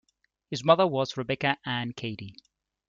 His mother was Rebecca Anne Cady.